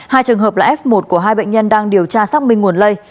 hai trường hợp là f một của hai bệnh nhân đang điều tra xác minh nguồn lây